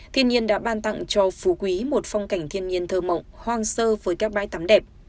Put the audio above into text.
thiên nhiên đã ban tặng cho phú quý một phong cảnh thiên nhiên thơ mộng hoang sơ với các bãi tắm đẹp